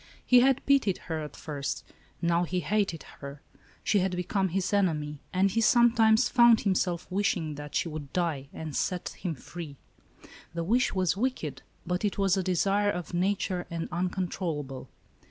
He had pitied her at first; now he hated her. She had become his enemy, and he sometimes found himself wishing that she would die, and set him free. The wish was wicked, but it was a desire of nature and un controllable.